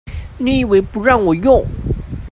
你以為不讓我用